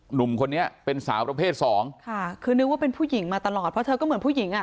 หนุ่มคนนี้เป็นสาวประเภทสองค่ะคือนึกว่าเป็นผู้หญิงมาตลอดเพราะเธอก็เหมือนผู้หญิงอ่ะ